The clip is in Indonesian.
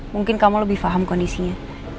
mungkin kamu lebih paham kondisinya